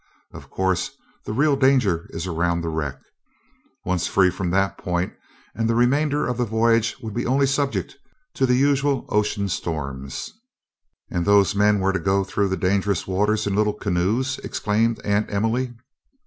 Of course the real danger is around the wreck. Once free from that point and the remainder of the voyage would be only subject to the usual ocean storms." "And those men were to go through the dangerous waters in little canoes!" exclaimed Aunt Emily.